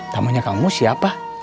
tamunya kang mus siapa